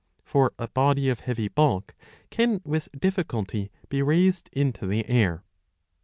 For a body of heavy bulk can with difficulty be raised into the air.